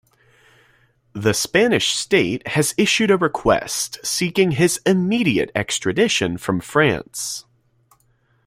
The Spanish State has issued a request seeking his immediate extradition from France.